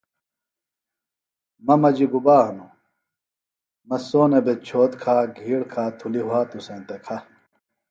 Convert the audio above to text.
مہ مجیۡ گُبا ہنوۡ مہ سونہ بےۡ چھوت کھا گِھیڑ کھا تُھلیۡ وھاتوۡ سینتہ کھہ